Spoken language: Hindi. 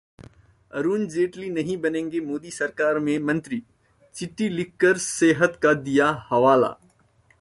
अरुण जेटली नहीं बनेंगे मोदी सरकार में मंत्री, चिट्ठी लिखकर सेहत का दिया हवाला